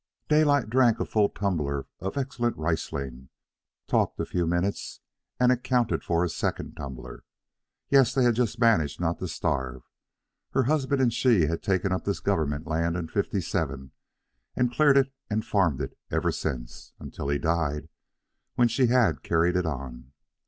Daylight drank a full tumbler of excellent Riesling, talked a few minutes, and accounted for a second tumbler. Yes, they just managed not to starve. Her husband and she had taken up this government land in '57 and cleared it and farmed it ever since, until he died, when she had carried it on.